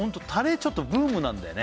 ちょっとブームなんだよね